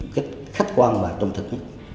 cái khách quan và công thực